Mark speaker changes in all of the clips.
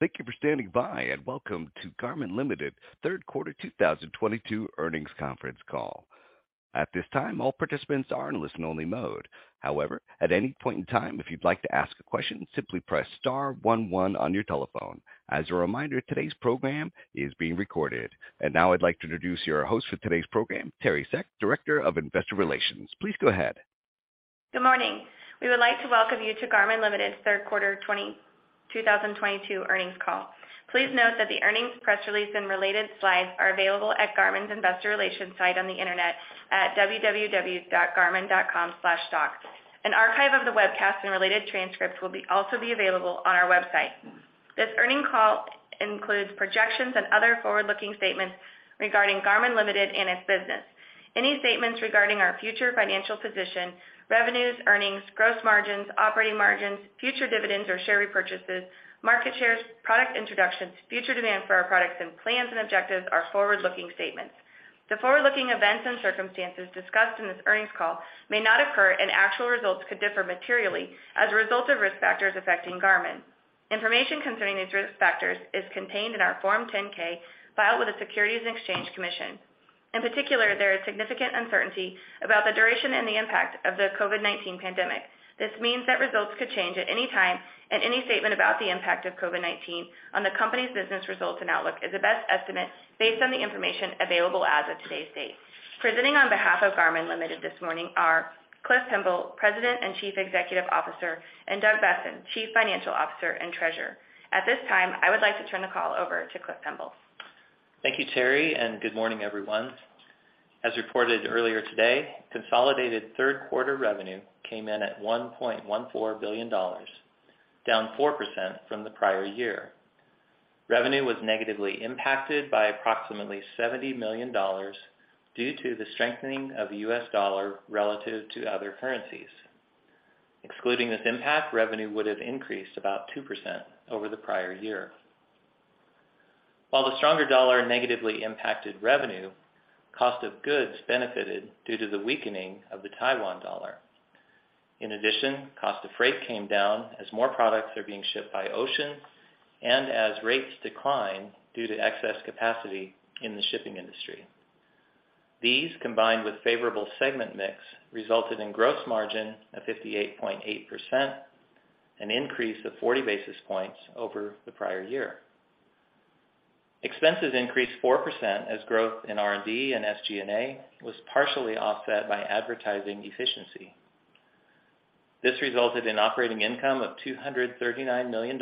Speaker 1: Thank you for standing by, and welcome to Garmin Ltd Third Quarter 2022 Earnings Conference Call. At this time, all participants are in listen-only mode. However, at any point in time, if you'd like to ask a question, simply press star one one on your telephone. As a reminder, today's program is being recorded. Now I'd like to introduce your host for today's program, Teri Seck, Director of Investor Relations. Please go ahead.
Speaker 2: Good morning. We would like to welcome you to Garmin Ltd Third Quarter 2022 Earnings Call. Please note that the earnings press release and related slides are available at Garmin's Investor Relations site on the Internet at www.garmin.com/stock. An archive of the webcast and related transcripts will also be available on our website. This earnings call includes projections and other forward-looking statements regarding Garmin Ltd and its business. Any statements regarding our future financial position, revenues, earnings, gross margins, operating margins, future dividends or share repurchases, market shares, product introductions, future demand for our products and plans and objectives are forward-looking statements. The forward-looking events and circumstances discussed in this earnings call may not occur, and actual results could differ materially as a result of risk factors affecting Garmin. Information concerning these risk factors is contained in our Form 10-K filed with the Securities and Exchange Commission. In particular, there is significant uncertainty about the duration and the impact of the COVID-19 pandemic. This means that results could change at any time. Any statement about the impact of COVID-19 on the company's business results and outlook is the best estimate based on the information available as of today's date. Presenting on behalf of Garmin Ltd. this morning are Cliff Pemble, President and Chief Executive Officer, and Doug Boessen, Chief Financial Officer and Treasurer. At this time, I would like to turn the call over to Cliff Pemble.
Speaker 3: Thank you, Teri, and good morning, everyone. As reported earlier today, consolidated third quarter revenue came in at $1.14 billion, down 4% from the prior year. Revenue was negatively impacted by approximately $70 million due to the strengthening of the U.S. dollar relative to other currencies. Excluding this impact, revenue would have increased about 2% over the prior year. While the stronger dollar negatively impacted revenue, cost of goods benefited due to the weakening of the Taiwan dollar. In addition, cost of freight came down as more products are being shipped by ocean and as rates decline due to excess capacity in the shipping industry. These, combined with favorable segment mix, resulted in gross margin of 58.8%, an increase of 40 basis points over the prior year. Expenses increased 4% as growth in R&D and SG&A was partially offset by advertising efficiency. This resulted in operating income of $239 million,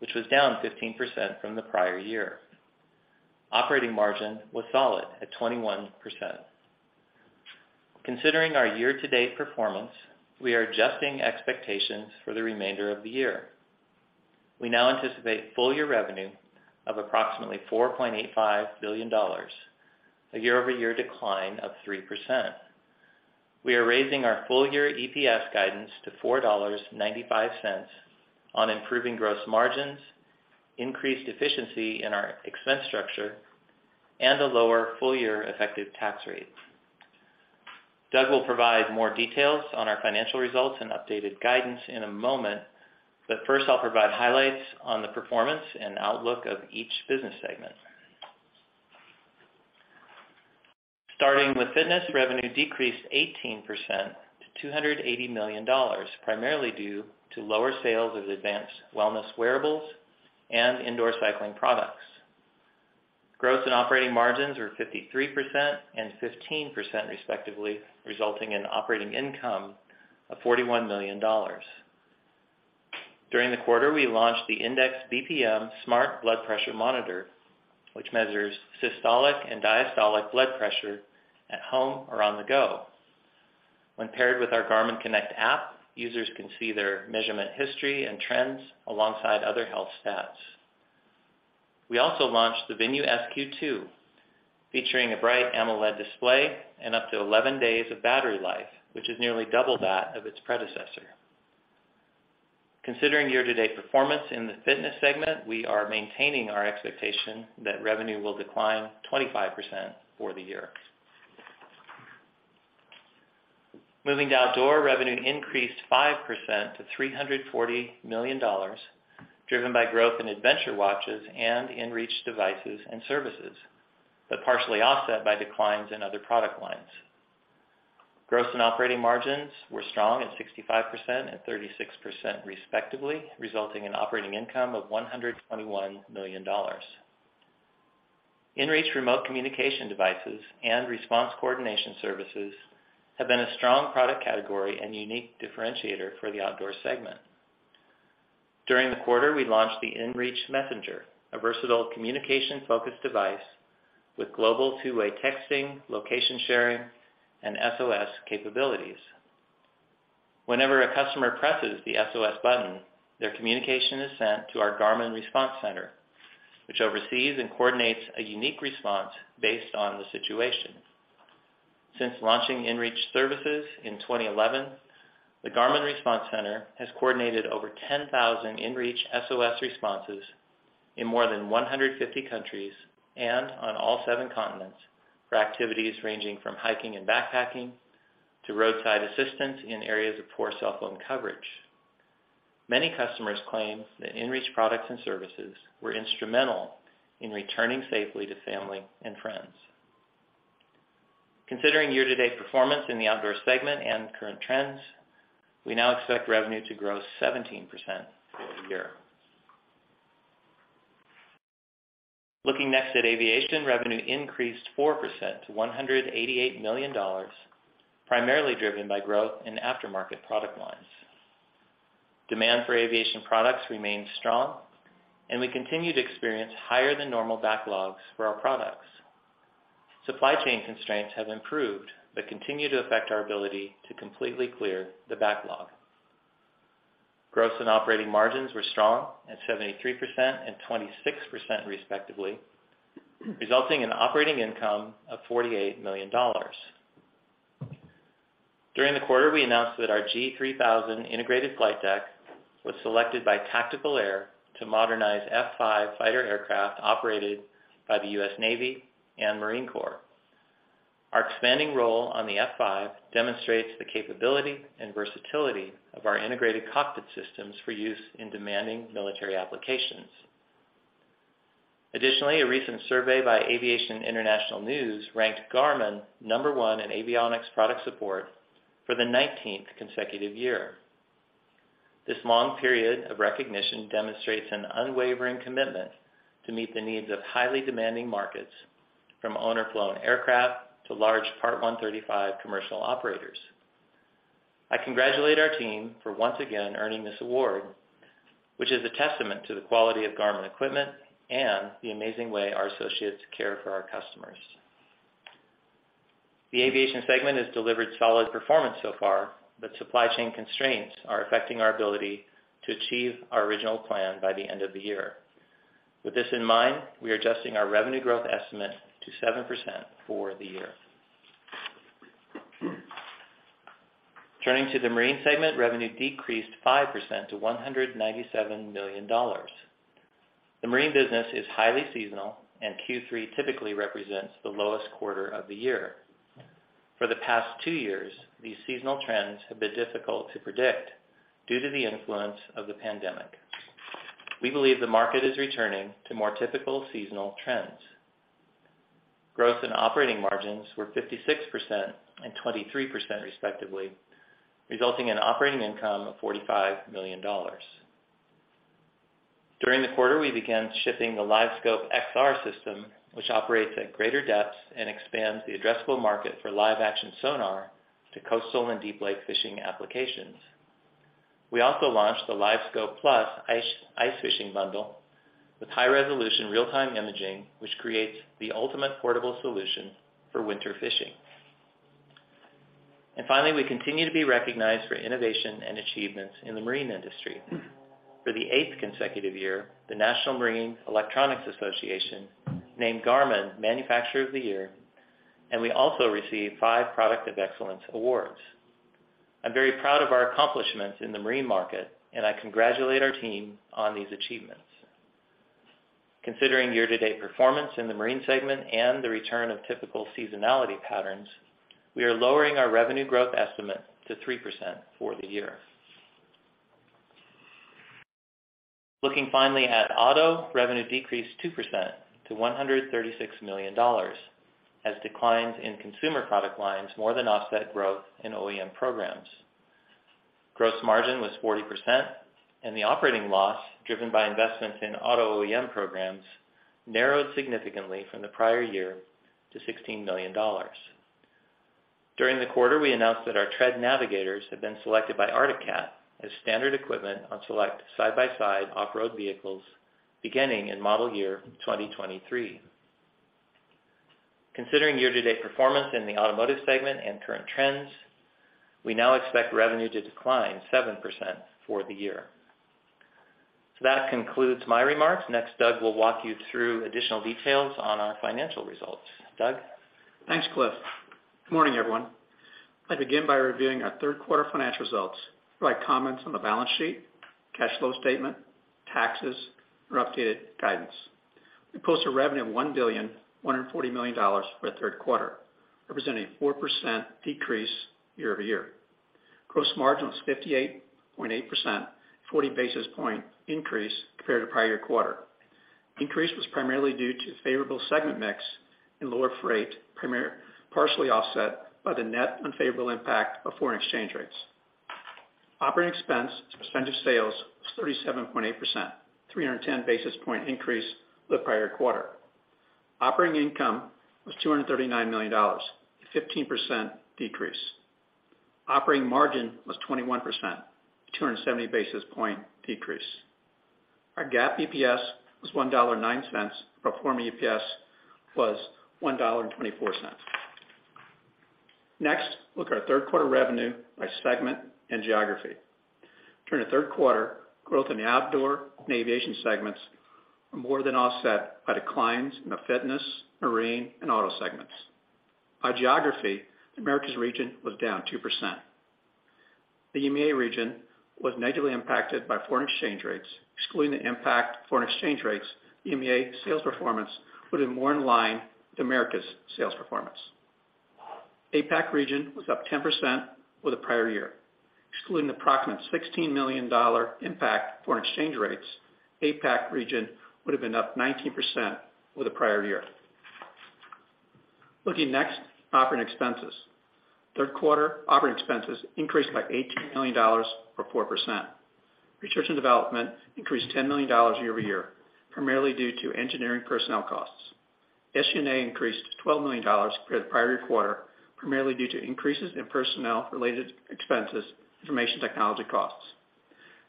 Speaker 3: which was down 15% from the prior year. Operating margin was solid at 21%. Considering our year-to-date performance, we are adjusting expectations for the remainder of the year. We now anticipate full-year revenue of approximately $4.85 billion, a year-over-year decline of 3%. We are raising our full-year EPS guidance to $4.95 on improving gross margins, increased efficiency in our expense structure, and a lower full-year effective tax rate. Doug will provide more details on our financial results and updated guidance in a moment, but first I'll provide highlights on the performance and outlook of each business segment. Starting with Fitness, revenue decreased 18% to $280 million, primarily due to lower sales of advanced wellness wearables and indoor cycling products. Gross and operating margins were 53% and 15% respectively, resulting in operating income of $41 million. During the quarter, we launched the Index BPM smart blood pressure monitor, which measures systolic and diastolic blood pressure at home or on the go. When paired with our Garmin Connect app, users can see their measurement history and trends alongside other health stats. We also launched the Venu Sq 2, featuring a bright AMOLED display and up to 11 days of battery life, which is nearly double that of its predecessor. Considering year-to-date performance in the Fitness segment, we are maintaining our expectation that revenue will decline 25% for the year. Moving to Outdoor, revenue increased 5% to $340 million, driven by growth in adventure watches and inReach devices and services, but partially offset by declines in other product lines. Gross and operating margins were strong at 65% and 36%, respectively, resulting in operating income of $121 million. InReach remote communication devices and response coordination services have been a strong product category and unique differentiator for the Outdoor segment. During the quarter, we launched the inReach Messenger, a versatile communication-focused device with global two-way texting, location sharing, and SOS capabilities. Whenever a customer presses the SOS button, their communication is sent to our Garmin Response Center, which oversees and coordinates a unique response based on the situation. Since launching inReach services in 2011, the Garmin Response Center has coordinated over 10,000 inReach SOS responses in more than 150 countries and on all seven continents for activities ranging from hiking and backpacking to roadside assistance in areas of poor cell phone coverage. Many customers claim that inReach products and services were instrumental in returning safely to family and friends. Considering year-to-date performance in the Outdoor segment and current trends, we now expect revenue to grow 17% for the year. Looking next at Aviation, revenue increased 4% to $188 million, primarily driven by growth in aftermarket product lines. Demand for Aviation products remains strong, and we continue to experience higher than normal backlogs for our products. Supply chain constraints have improved but continue to affect our ability to completely clear the backlog. Gross and operating margins were strong at 73% and 26% respectively, resulting in operating income of $48 million. During the quarter, we announced that our G3000 Integrated Flight Deck was selected by Tactical Air Support to modernize F-5 fighter aircraft operated by the U.S. Navy and Marine Corps. Our expanding role on the F-5 demonstrates the capability and versatility of our integrated cockpit systems for use in demanding military applications. Additionally, a recent survey by Aviation International News ranked Garmin number one in avionics product support for the 19th consecutive year. This long period of recognition demonstrates an unwavering commitment to meet the needs of highly demanding markets, from owner-flown aircraft to large Part 135 commercial operators. I congratulate our team for once again earning this award, which is a testament to the quality of Garmin equipment and the amazing way our associates care for our customers. The Aviation segment has delivered solid performance so far, but supply chain constraints are affecting our ability to achieve our original plan by the end of the year. With this in mind, we are adjusting our revenue growth estimate to 7% for the year. Turning to the marine segment, revenue decreased 5% to $197 million. The marine business is highly seasonal, and Q3 typically represents the lowest quarter of the year. For the past two years, these seasonal trends have been difficult to predict due to the influence of the pandemic. We believe the market is returning to more typical seasonal trends. Growth and operating margins were 56% and 23% respectively, resulting in operating income of $45 million. During the quarter, we began shipping the LiveScope XR system, which operates at greater depths and expands the addressable market for live action sonar to coastal and deep lake fishing applications. We also launched the LiveScope Plus ice fishing bundle with high-resolution real-time imaging, which creates the ultimate portable solution for winter fishing. Finally, we continue to be recognized for innovation and achievements in the marine industry. For the eighth consecutive year, the National Marine Electronics Association named Garmin Manufacturer of the Year, and we also received five Product of Excellence awards. I'm very proud of our accomplishments in the marine market, and I congratulate our team on these achievements. Considering year-to-date performance in the marine segment and the return of typical seasonality patterns, we are lowering our revenue growth estimate to 3% for the year. Looking finally at auto, revenue decreased 2% to $136 million as declines in consumer product lines more than offset growth in OEM programs. Gross margin was 40%, and the operating loss, driven by investments in auto OEM programs, narrowed significantly from the prior year to $16 million. During the quarter, we announced that our Tread navigators have been selected by Arctic Cat as standard equipment on select side-by-side off-road vehicles beginning in model year 2023. Considering year-to-date performance in the automotive segment and current trends, we now expect revenue to decline 7% for the year. That concludes my remarks. Next, Doug will walk you through additional details on our financial results. Doug?
Speaker 4: Thanks, Cliff. Good morning, everyone. I begin by reviewing our third quarter financial results, provide comments on the balance sheet, cash flow statement, taxes, and updated guidance. We posted revenue of $1.14 billion for the third quarter, representing a 4% decrease year over year. Gross margin was 58.8%, 40 basis point increase compared to prior quarter. Increase was primarily due to favorable segment mix and lower freight premiums, partially offset by the net unfavorable impact of foreign exchange rates. Operating expenses as a percent of sales was 37.8%, 310 basis point increase the prior quarter. Operating income was $239 million, a 15% decrease. Operating margin was 21%, 270 basis point decrease. Our GAAP EPS was $1.09. Pro forma EPS was $1.24. Next, look at our third quarter revenue by segment and geography. During the third quarter, growth in the Outdoor and Aviation segments were more than offset by declines in the fitness, marine, and auto segments. By geography, Americas region was down 2%. The EMEA region was negatively impacted by foreign exchange rates. Excluding the impact foreign exchange rates, EMEA sales performance would have been more in line with the Americas sales performance. APAC region was up 10% with the prior year. Excluding the approximate $16 million impact foreign exchange rates, APAC region would have been up 19% with the prior year. Looking next, operating expenses. Third quarter operating expenses increased by $18 million or 4%. Research and development increased $10 million year-over-year, primarily due to engineering personnel costs. SG&A increased $12 million for the prior quarter, primarily due to increases in personnel related expenses, information technology costs.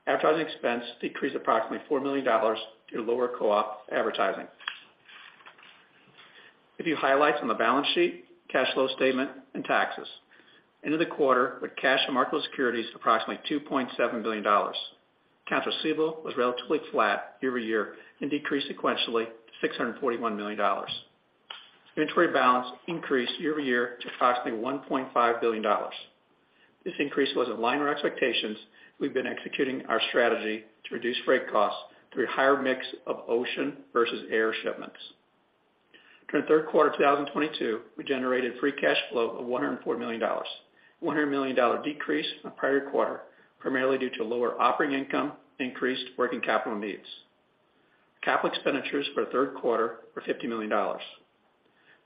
Speaker 4: Advertising expense decreased approximately $4 million due to lower co-op advertising. A few highlights on the balance sheet, cash flow statement, and taxes. End of the quarter, with cash and marketable securities approximately $2.7 billion. Accounts receivable was relatively flat year-over-year and decreased sequentially $641 million. Inventory balance increased year-over-year to approximately $1.5 billion. This increase was in line with our expectations. We've been executing our strategy to reduce freight costs through a higher mix of ocean versus air shipments. During the third quarter of 2022, we generated free cash flow of $104 million, $100 million decrease from prior quarter, primarily due to lower operating income, increased working capital needs. Capital expenditures for the third quarter were $50 million.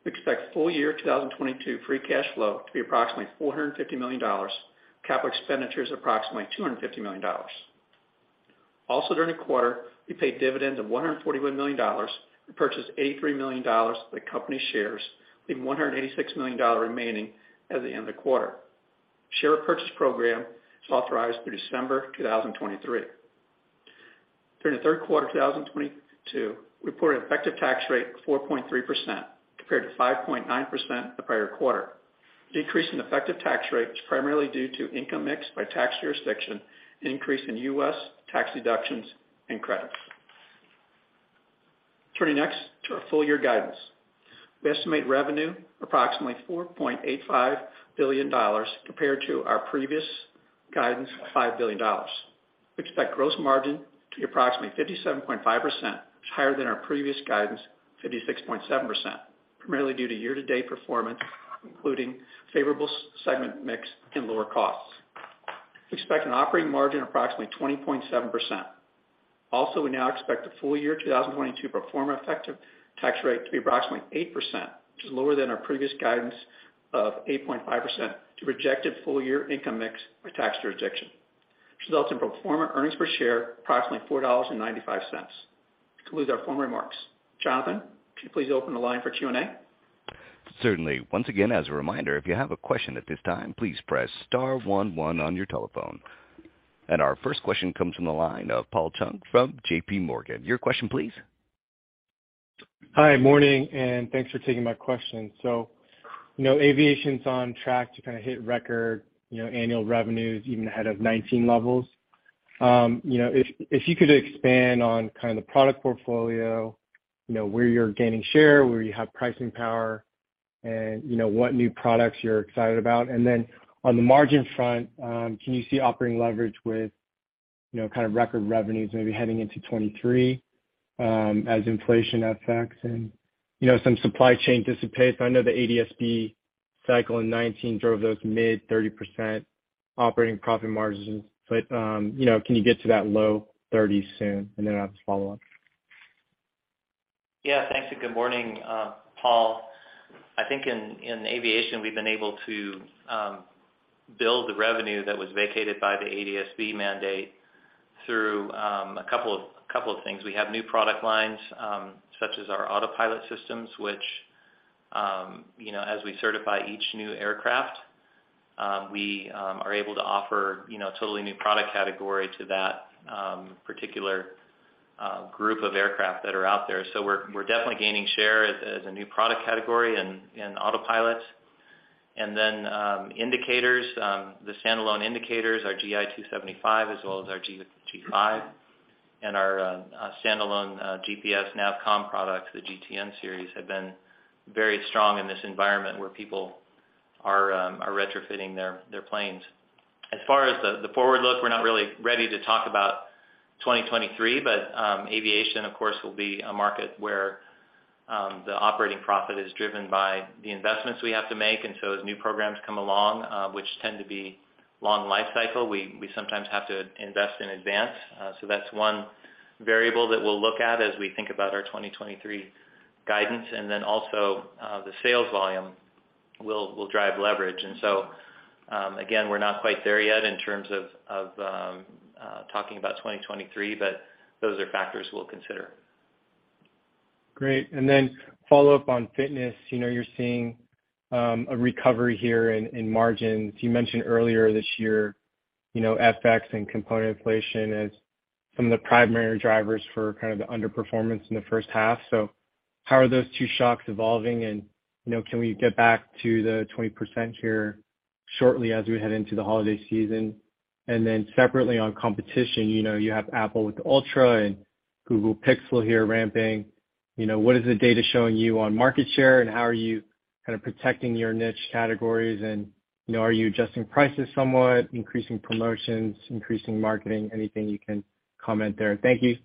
Speaker 4: We expect full year 2022 free cash flow to be approximately $450 million, capital expenditures approximately $250 million. Also, during the quarter, we paid dividends of $141 million. We purchased $83 million of the company shares, leaving $186 million remaining at the end of the quarter. Share purchase program is authorized through December 2023. During the third quarter 2022, we reported an effective tax rate of 4.3% compared to 5.9% the prior quarter. Decrease in effective tax rate is primarily due to income mix by tax jurisdiction, an increase in U.S. tax deductions and credits. Turning next to our full year guidance. We estimate revenue approximately $4.85 billion compared to our previous guidance of $5 billion. We expect gross margin to be approximately 57.5%, which is higher than our previous guidance, 56.7%, primarily due to year-to-date performance, including favorable segment mix and lower costs. We expect an operating margin of approximately 20.7%. We now expect the full year 2022 pro forma effective tax rate to be approximately 8%, which is lower than our previous guidance of 8.5% due to projected full year income mix by tax jurisdiction, which results in pro forma earnings per share approximately $4.95. This concludes our formal remarks. Jonathan, could you please open the line for Q&A?
Speaker 1: Certainly. Once again, as a reminder, if you have a question at this time, please press star one one on your telephone. Our first question comes from the line of Paul Chung from JPMorgan. Your question, please.
Speaker 5: Hi. Morning, and thanks for taking my question. You know, Aviation's on track to kinda hit record, you know, annual revenues even ahead of 2019 levels. You know, if you could expand on kind of the product portfolio, you know, where you're gaining share, where you have pricing power and, you know, what new products you're excited about. On the margin front, can you see operating leverage with, you know, kind of record revenues maybe heading into 2023, as inflation effects and, you know, some supply chain dissipates? I know the ADS-B cycle in 2019 drove those mid-30% operating profit margins, but, you know, can you get to that low 30s% soon? I'll just follow up.
Speaker 3: Yeah. Thanks and good morning, Paul. I think in Aviation we've been able to build the revenue that was vacated by the ADS-B mandate through a couple of things. We have new product lines such as our autopilot systems, which you know, as we certify each new aircraft, we are able to offer you know, totally new product category to that particular group of aircraft that are out there. So we're definitely gaining share as a new product category in autopilots. Then, the standalone indicators, our GI 275 as well as our G5 and our standalone GPS nav/com products, the GTN series, have been very strong in this environment where people are retrofitting their planes.
Speaker 4: As far as the forward look, we're not really ready to talk about 2023, but Aviation of course will be a market where the operating profit is driven by the investments we have to make. As new programs come along, which tend to be long life cycle, we sometimes have to invest in advance. That's one variable that we'll look at as we think about our 2023 guidance. The sales volume will drive leverage. Again, we're not quite there yet in terms of talking about 2023, but those are factors we'll consider.
Speaker 5: Great. Follow up on fitness. You know, you're seeing a recovery here in margins. You mentioned earlier this year, you know, FX and component inflation as some of the primary drivers for kind of the underperformance in the first half. How are those two shocks evolving? You know, can we get back to the 20% here shortly as we head into the holiday season? Separately on competition, you know, you have Apple with the Apple Watch Ultra and Google Pixel Watch here ramping. You know, what is the data showing you on market share and how are you kind of protecting your niche categories? You know, are you adjusting prices somewhat, increasing promotions, increasing marketing? Anything you can comment there? Thank you.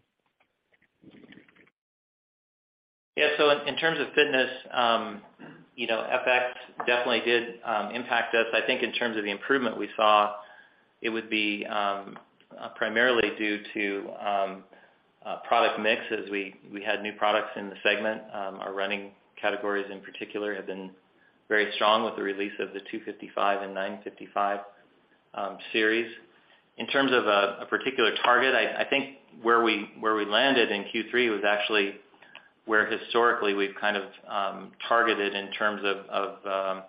Speaker 3: Yeah. In terms of fitness, you know, FX definitely did impact us. I think in terms of the improvement we saw, it would be primarily due to product mix as we had new products in the segment. Our running categories in particular have been very strong with the release of the 255 and 955 series. In terms of a particular target, I think where we landed in Q3 was actually where historically we've kind of targeted in terms of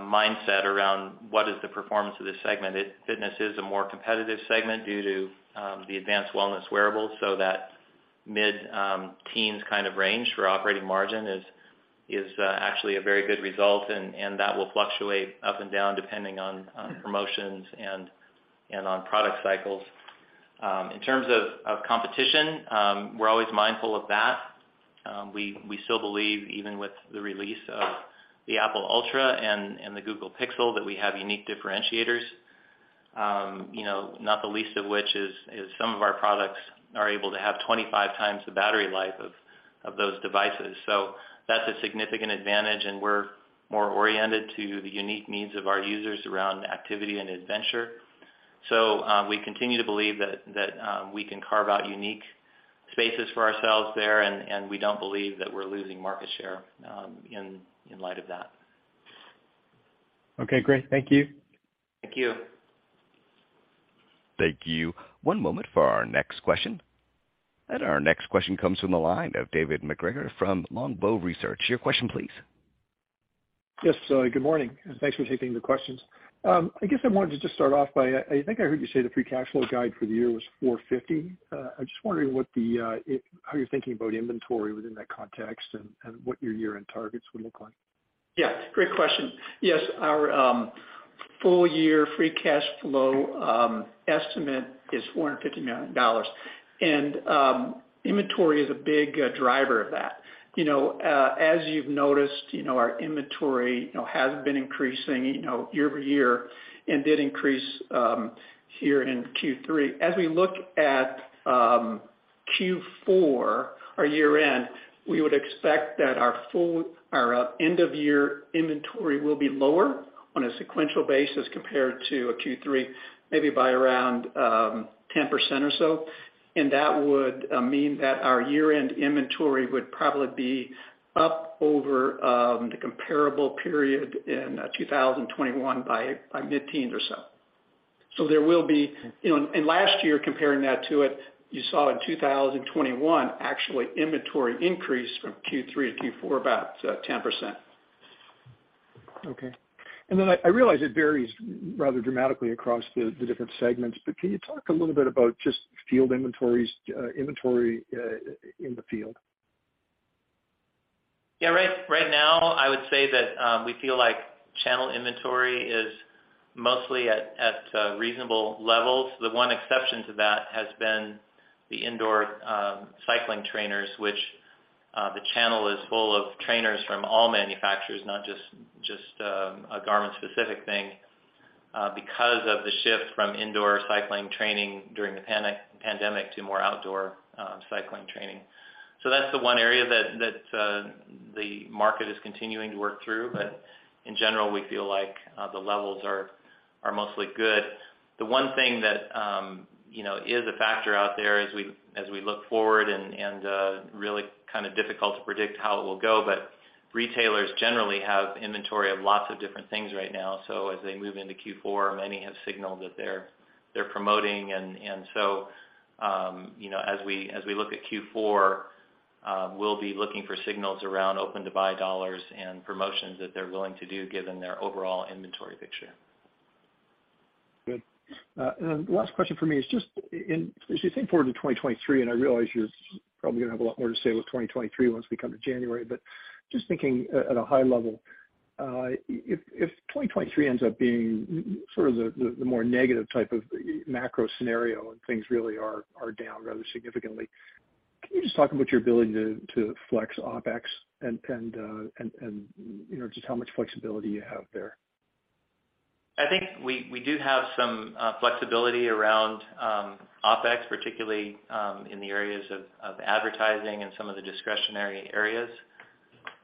Speaker 3: mindset around what is the performance of this segment. Fitness is a more competitive segment due to the advanced wellness wearables, so that mid-teens kind of range for operating margin is actually a very good result. That will fluctuate up and down depending on promotions and on product cycles. In terms of competition, we're always mindful of that. We still believe even with the release of the Apple Watch Ultra and the Google Pixel Watch that we have unique differentiators. You know, not the least of which is some of our products are able to have 25x the battery life of those devices. That's a significant advantage, and we're more oriented to the unique needs of our users around activity and adventure. We continue to believe that we can carve out unique spaces for ourselves there, and we don't believe that we're losing market share in light of that.
Speaker 5: Okay. Great. Thank you.
Speaker 3: Thank you.
Speaker 1: Thank you. One moment for our next question. Our next question comes from the line of David MacGregor from Longbow Research. Your question please.
Speaker 6: Yes. Good morning, and thanks for taking the questions. I guess I wanted to just start off by, I think I heard you say the free cash flow guide for the year was $450. I'm just wondering how you're thinking about inventory within that context and what your year-end targets would look like.
Speaker 4: Yeah, great question. Yes, our full year free cash flow estimate is $450 million. Inventory is a big driver of that. You know, as you've noticed, you know, our inventory, you know, has been increasing, you know, year-over-year and did increase here in Q3. As we look at Q4 or year-end, we would expect that our end of year inventory will be lower on a sequential basis compared to Q3, maybe by around 10% or so. That would mean that our year-end inventory would probably be up over the comparable period in 2021 by mid-teens or so. There will be. You know, last year, comparing that to it, you saw in 2021 actually inventory increase from Q3 to Q4 about 10%.
Speaker 6: I realize it varies rather dramatically across the different segments, but can you talk a little bit about just field inventory in the field?
Speaker 3: Yeah. Right now, I would say that we feel like channel inventory is mostly at reasonable levels. The one exception to that has been the indoor cycling trainers, which the channel is full of trainers from all manufacturers, not just a Garmin-specific thing, because of the shift from indoor cycling training during the pandemic to more Outdoor cycling training. So that's the one area that the market is continuing to work through. But in general, we feel like the levels are mostly good. The one thing that you know is a factor out there as we look forward and really kind of difficult to predict how it will go, but retailers generally have inventory of lots of different things right now. As they move into Q4, many have signaled that they're promoting. You know, as we look at Q4, we'll be looking for signals around open to buy dollars and promotions that they're willing to do given their overall inventory picture.
Speaker 6: Good. And then last question for me is just as you think forward to 2023, and I realize you're probably gonna have a lot more to say with 2023 once we come to January, but just thinking at a high level, if 2023 ends up being sort of the more negative type of macro scenario and things really are down rather significantly, can you just talk about your ability to flex OpEx and, you know, just how much flexibility you have there?
Speaker 3: I think we do have some flexibility around OpEx, particularly in the areas of advertising and some of the discretionary areas.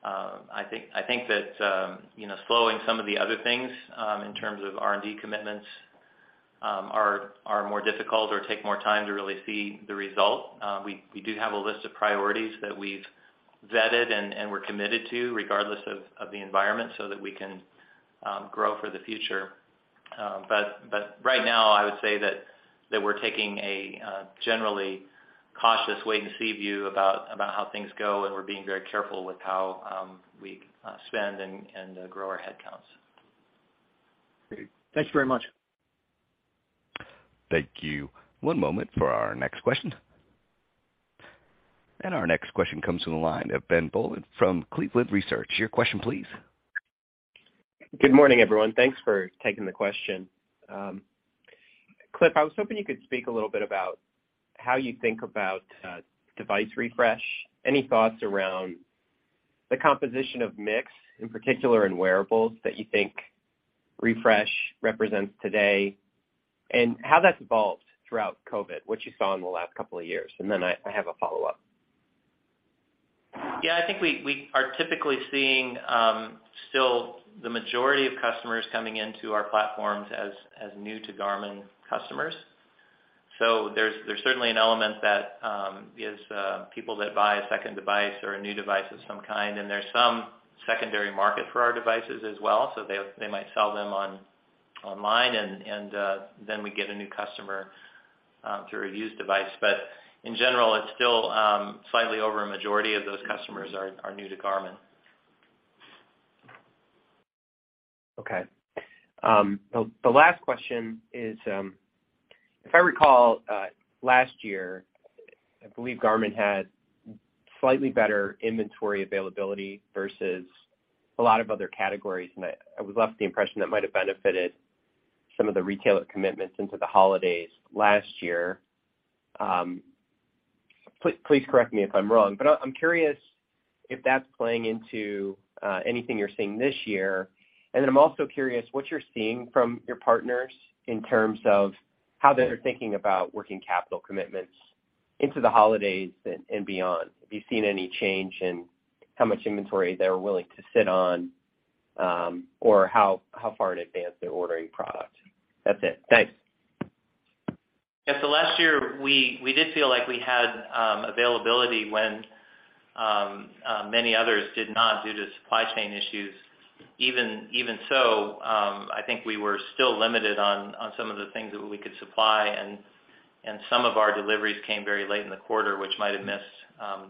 Speaker 3: I think that you know, slowing some of the other things in terms of R&D commitments are more difficult or take more time to really see the result. We do have a list of priorities that we've vetted and we're committed to regardless of the environment so that we can grow for the future. Right now I would say that we're taking a generally cautious wait and see view about how things go, and we're being very careful with how we spend and grow our headcounts.
Speaker 6: Great. Thank you very much.
Speaker 1: Thank you. One moment for our next question. Our next question comes from the line of Ben Bollin from Cleveland Research. Your question please.
Speaker 7: Good morning, everyone. Thanks for taking the question. Cliff, I was hoping you could speak a little bit about how you think about device refresh. Any thoughts around the composition of mix, in particular in wearables, that you think refresh represents today, and how that's evolved throughout COVID, what you saw in the last couple of years? Then I have a follow-up.
Speaker 3: Yeah. I think we are typically seeing still the majority of customers coming into our platforms as new to Garmin customers. There's certainly an element that is people that buy a second device or a new device of some kind, and there's some secondary market for our devices as well, so they might sell them online and then we get a new customer through a used device. In general, it's still slightly over a majority of those customers are new to Garmin.
Speaker 7: Okay. The last question is, if I recall, last year, I believe Garmin had slightly better inventory availability versus a lot of other categories, and I was left the impression that might have benefited some of the retailer commitments into the holidays last year. Please correct me if I'm wrong, but I'm curious if that's playing into anything you're seeing this year. I'm also curious what you're seeing from your partners in terms of how they're thinking about working capital commitments into the holidays and beyond. Have you seen any change in how much inventory they're willing to sit on, or how far in advance they're ordering product? That's it. Thanks.
Speaker 3: Yeah. Last year, we did feel like we had availability when many others did not due to supply chain issues. Even so, I think we were still limited on some of the things that we could supply and some of our deliveries came very late in the quarter, which might have missed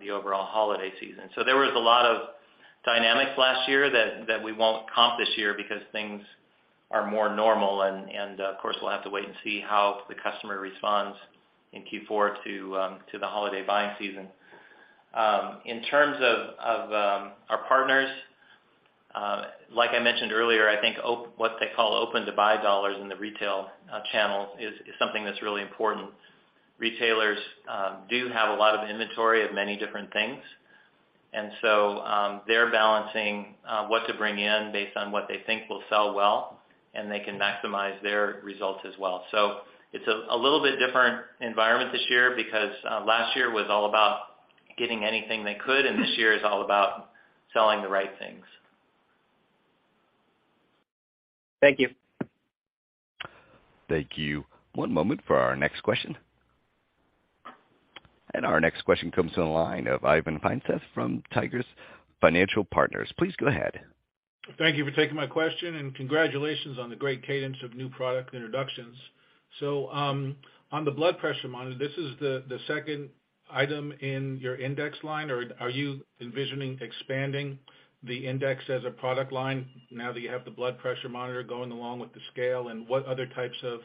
Speaker 3: the overall holiday season. There was a lot of dynamics last year that we won't comp this year because things are more normal and, of course, we'll have to wait and see how the customer responds in Q4 to the holiday buying season. In terms of our partners, like I mentioned earlier, I think what they call open-to-buy dollars in the retail channel is something that's really important. Retailers do have a lot of inventory of many different things, and so they're balancing what to bring in based on what they think will sell well, and they can maximize their results as well. It's a little bit different environment this year because last year was all about getting anything they could, and this year is all about selling the right things.
Speaker 7: Thank you.
Speaker 1: Thank you. One moment for our next question. Our next question comes to the line of Ivan Feinseth from Tigress Financial Partners. Please go ahead.
Speaker 8: Thank you for taking my question, and congratulations on the great cadence of new product introductions. On the blood pressure monitor, this is the second item in your Index line, or are you envisioning expanding the Index as a product line now that you have the blood pressure monitor going along with the scale? What other types of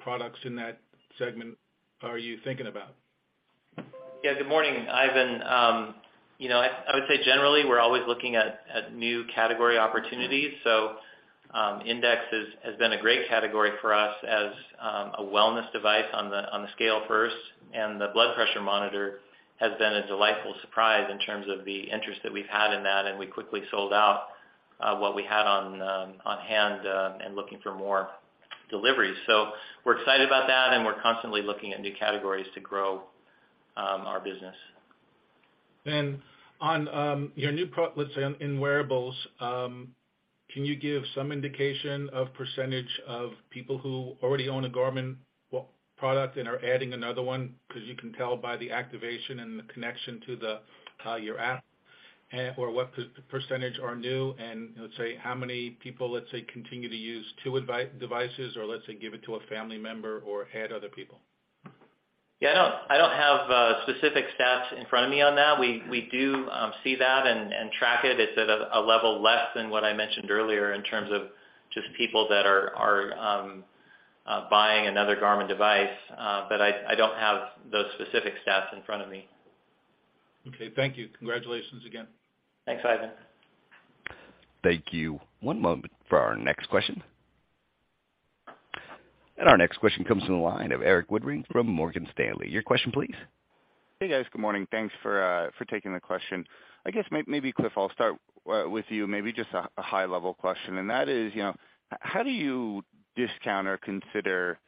Speaker 8: products in that segment are you thinking about?
Speaker 3: Yeah. Good morning, Ivan. You know, I would say generally, we're always looking at new category opportunities. Index has been a great category for us as a wellness device on the scale first, and the blood pressure monitor has been a delightful surprise in terms of the interest that we've had in that, and we quickly sold out what we had on hand and looking for more deliveries. We're excited about that, and we're constantly looking at new categories to grow our business.
Speaker 8: Let's say in wearables, can you give some indication of percentage of people who already own a Garmin product and are adding another one? 'Cause you can tell by the activation and the connection to your app. Or what percentage are new and, let's say, how many people, let's say, continue to use two devices or let's say give it to a family member or add other people?
Speaker 3: Yeah. I don't have specific stats in front of me on that. We do see that and track it. It's at a level less than what I mentioned earlier in terms of just people that are buying another Garmin device, but I don't have those specific stats in front of me.
Speaker 8: Okay. Thank you. Congratulations again.
Speaker 3: Thanks, Ivan.
Speaker 1: Thank you. One moment for our next question. Our next question comes from the line of Erik Woodring from Morgan Stanley. Your question please.
Speaker 9: Hey, guys. Good morning. Thanks for taking the question. I guess maybe Cliff, I'll start with you, maybe just a high level question, and that is, you know, how do you discount or consider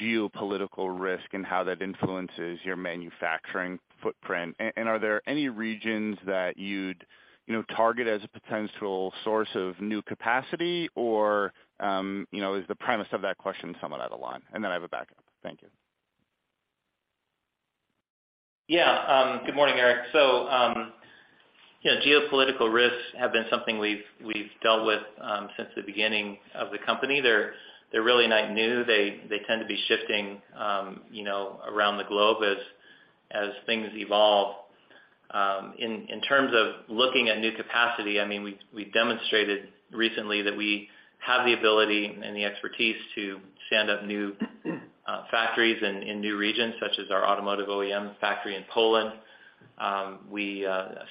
Speaker 9: geopolitical risk and how that influences your manufacturing footprint? Are there any regions that you'd, you know, target as a potential source of new capacity or, you know, is the premise of that question somewhat out of line? I have a backup. Thank you.
Speaker 3: Yeah. Good morning, Erik. You know, geopolitical risks have been something we've dealt with since the beginning of the company. They're really not new. They tend to be shifting, you know, around the globe as things evolve. In terms of looking at new capacity, I mean, we've demonstrated recently that we have the ability and the expertise to stand up new factories in new regions, such as our automotive OEM factory in Poland.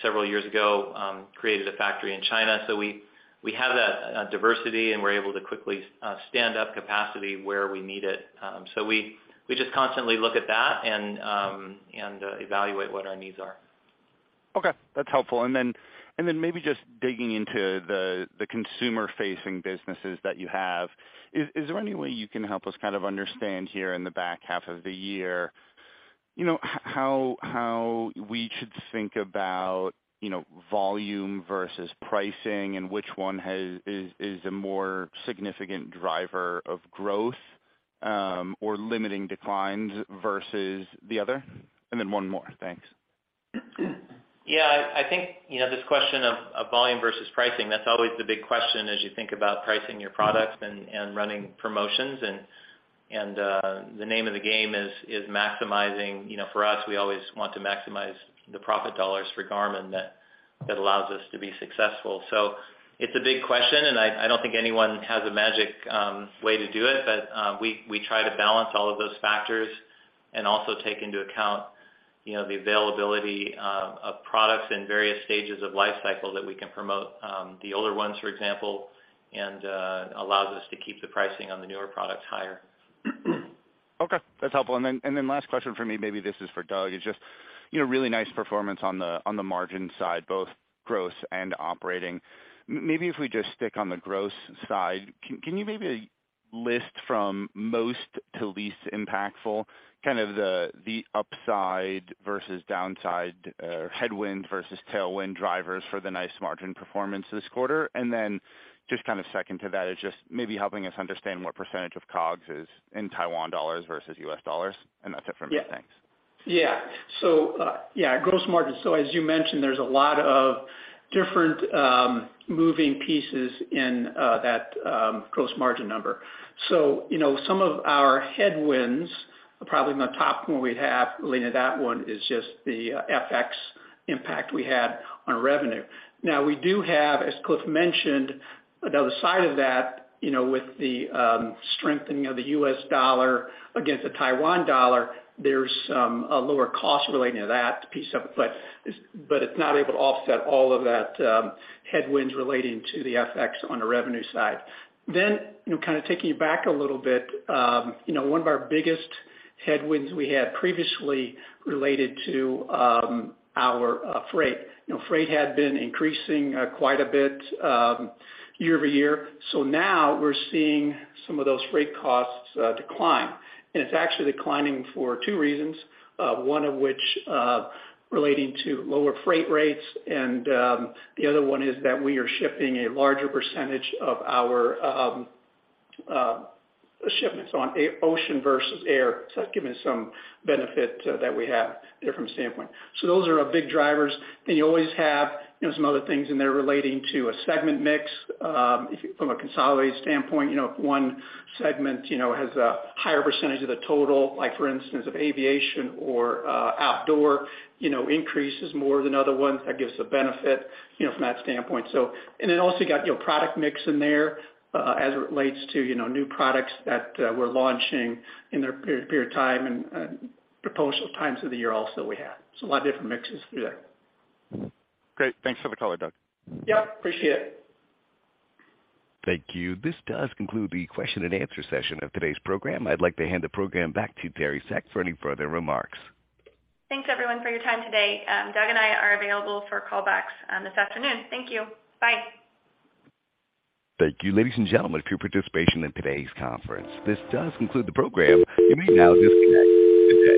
Speaker 3: Several years ago, we created a factory in China, so we have that diversity, and we're able to quickly stand up capacity where we need it. We just constantly look at that and evaluate what our needs are.
Speaker 9: Okay, that's helpful. Maybe just digging into the consumer-facing businesses that you have, is there any way you can help us kind of understand here in the back half of the year, you know, how we should think about, you know, volume versus pricing and which one is a more significant driver of growth or limiting declines versus the other? One more. Thanks.
Speaker 3: Yeah. I think, you know, this question of volume versus pricing, that's always the big question as you think about pricing your products. The name of the game is maximizing. You know, for us, we always want to maximize the profit dollars for Garmin that allows us to be successful. It's a big question, and I don't think anyone has a magic way to do it. We try to balance all of those factors and also take into account, you know, the availability of products in various stages of life cycle that we can promote, the older ones, for example, allows us to keep the pricing on the newer products higher.
Speaker 9: Okay, that's helpful. Last question for me, maybe this is for Doug. It's just, you know, really nice performance on the margin side, both gross and operating. Maybe if we just stick on the gross side, can you maybe list from most to least impactful, kind of the upside versus downside, headwind versus tailwind drivers for the nice margin performance this quarter? Just kind of second to that is just maybe helping us understand what percentage of COGS is in Taiwan dollars versus U.S. dollars, and that's it for me. Thanks.
Speaker 4: Gross margin. As you mentioned, there's a lot of different moving pieces in that gross margin number. You know, some of our headwinds, probably my top one we have related to that one is just the FX impact we had on revenue. Now, we do have, as Cliff mentioned, the other side of that, you know, with the strengthening of the U.S. dollar against the Taiwan dollar, there's a lower cost relating to that piece of it. But it's not able to offset all of that headwinds relating to the FX on the revenue side. You know, kind of taking it back a little bit, you know, one of our biggest headwinds we had previously related to our freight. You know, freight had been increasing quite a bit year-over-year. Now we're seeing some of those freight costs decline, and it's actually declining for two reasons, one of which relating to lower freight rates and the other one is that we are shipping a larger percentage of our shipments on ocean versus air. That's given some benefit that we have there from a standpoint. Those are our big drivers. You always have, you know, some other things in there relating to a segment mix. From a consolidated standpoint, you know, if one segment, you know, has a higher percentage of the total, like for instance, if Aviation or Outdoor, you know, increases more than other ones, that gives a benefit, you know, from that standpoint. And you got your product mix in there, as it relates to, you know, new products that we're launching in their respective periods of time and seasonal times of the year also we have. A lot of different mixes through there.
Speaker 9: Great. Thanks for the color, Doug.
Speaker 4: Yep, appreciate it.
Speaker 1: Thank you. This does conclude the question and answer session of today's program. I'd like to hand the program back to Teri Seck for any further remarks.
Speaker 2: Thanks, everyone, for your time today. Doug and I are available for callbacks this afternoon. Thank you. Bye.
Speaker 1: Thank you, ladies and gentlemen, for your participation in today's conference. This does conclude the program. You may now disconnect.